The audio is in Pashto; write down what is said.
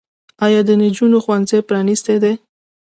آیا د نجونو ښوونځي پرانیستي دي؟